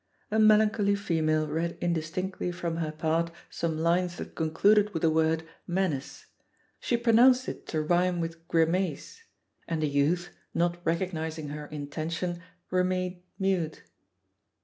A melancholy female read indistinctly from her part some lines that concluded with the word "menace." She pronounced it to rhyme with "grimace," and ihe youth, not recognising her intention, remained mute.